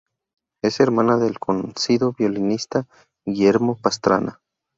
Es hermana del conocido violonchelista Guillermo Pastrana.